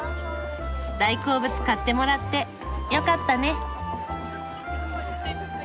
大好物買ってもらってよかったね。